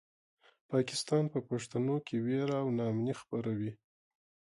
پاکستان په پښتنو کې وېره او ناامني خپروي.